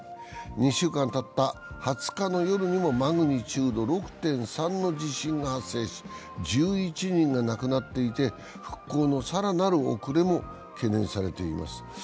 ２週間たった２０日の夜にもマグニチュード６．３の地震が発生し、１１人が亡くなっていて復興の更なる遅れも懸念されています。